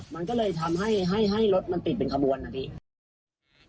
มันก็เลยทำให้รถติดเป็นขบวรอ่ะพี่